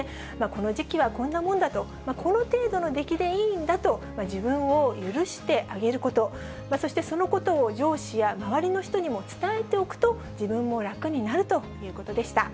この時期はこんなもんだと、この程度の出来でいいんだと、自分を許してあげること、そしてそのことを上司や周りの人にも伝えておくと、自分も楽になるということでした。